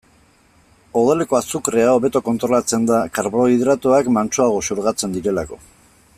Odoleko azukrea hobeto kontrolatzen da, karbohidratoak mantsoago xurgatzen direlako.